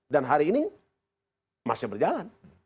dan hari ini masih berjalan